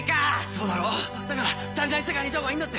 そうだろだからたりない世界にいた方がいいんだって。